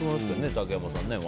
竹山さん。